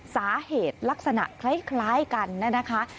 สาเหตุลักษณะคล้ายกันนะคะ